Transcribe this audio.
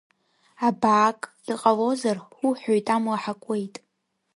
Абаак, иҟалозар, ҳуҳәоит амла ҳакуеит.